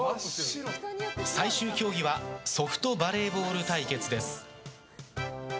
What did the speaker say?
最終競技はソフトバレーボール対決です。